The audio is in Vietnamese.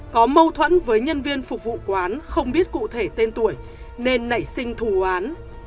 có mâu thuẫn với nhân viên phục vụ quán không biết cụ thể tên tuổi nên nảy sinh thù án